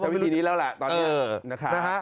วิธีนี้แล้วแหละ